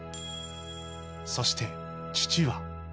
そして父は？